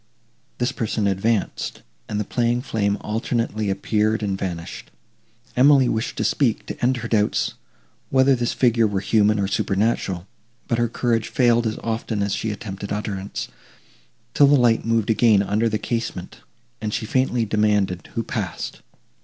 This person advanced, and the playing flame alternately appeared and vanished. Emily wished to speak, to end her doubts, whether this figure were human or supernatural; but her courage failed as often as she attempted utterance, till the light moved again under the casement, and she faintly demanded, who passed.